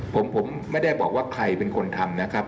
ผมไม่ได้บอกว่าใครเป็นคนทำนะครับ